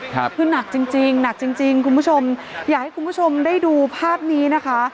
คือหนักจริงจริงหนักจริงจริงคุณผู้ชมอยากให้คุณผู้ชมได้ดูภาพนี้นะคะ